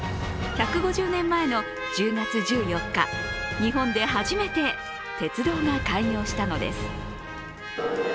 １５０年前の１０月１４日、日本で初めて鉄道が開業したのです。